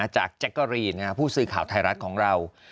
แจ๊กกะรีนผู้สื่อข่าวไทยรัฐของเรา